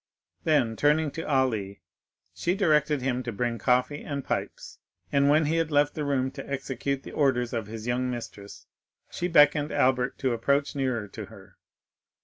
Then, turning to Ali, she directed him to bring coffee and pipes, and when he had left the room to execute the orders of his young mistress she beckoned Albert to approach nearer to her.